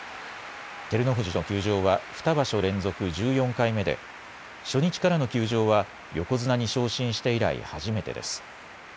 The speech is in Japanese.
照ノ富士の休場は２場所連続１４回目で、初日からの休場は、横綱に昇進して以来、初めてです。